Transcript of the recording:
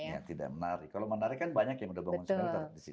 ya tidak menarik kalau menarik kan banyak yang udah bangun smelter di sini